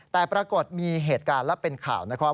แต่ปรากฏมีเหตุการณ์และเป็นข่าวนะครับ